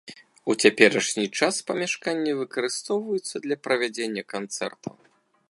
У цяперашні час памяшканні выкарыстоўваюцца для правядзення канцэртаў.